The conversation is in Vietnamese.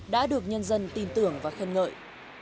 đã được nhân dân tin tưởng và khân ngợi